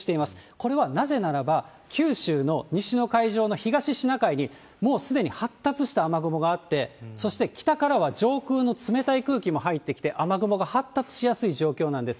これはなぜならば、九州の西の海上の東シナ海に、もうすでに発達した雨雲があって、そして北からは上空の冷たい空気も入ってきて、雨雲が発達しやすい状況なんです。